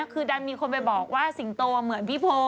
คือดันมีคนไปบอกว่าสิงโตเหมือนพี่โพ